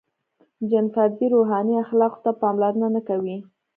• جن فردي روحاني اخلاقو ته پاملرنه نهکوي.